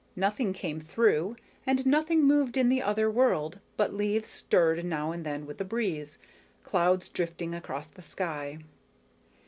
Nothing came through, and nothing moved in the other world but leaves stirring now and then with a breeze, clouds drifting across the sky.